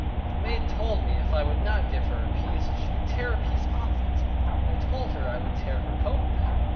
The maid told me if I would not give her a piece, she would tear a piece off it. I told her I would tear her coat then.